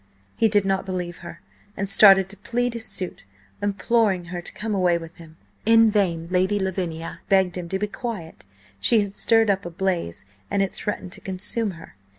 He did not believe her, and started to plead his suit, imploring her to come away with him. In vain Lady Lavinia begged him to be quiet; she had stirred up a blaze, and it threatened to consume her.